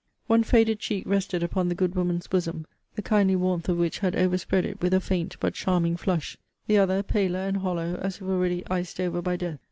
One faded cheek rested upon the good woman's bosom, the kindly warmth of which had overspread it with a faint, but charming flush; the other paler and hollow, as if already iced over by death.